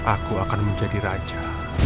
aku akan menjadi raja